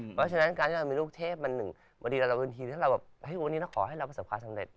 เพราะฉะนั้นการที่เรามีลูกเทพมันหนึ่งบางทีเราเป็นทีมถ้าเราแบบวันนี้เราขอให้เราประสบความสำเร็จ